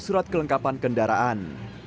surat kelengkapan kendaraan